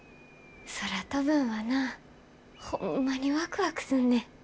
空飛ぶんはなホンマにワクワクすんねん。